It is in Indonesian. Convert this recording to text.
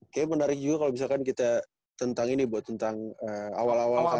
kayaknya menarik juga kalau misalkan kita tentang ini buat tentang awal awal karir